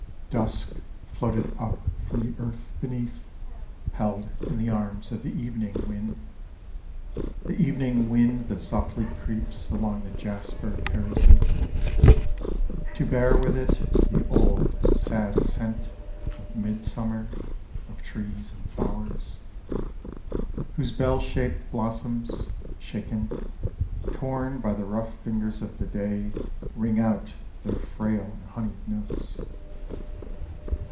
DUSK floated up from the earth beneath, Held in the arms of the evening wind — The evening wind that softly creeps Along the jasper terraces, To bear with it The old, sad scent Of midsummer, of trees and (lowers, Whose bell shaped blossoms, shaken, torn By the rough fingers of the day Ring out their frail and honeyed notes.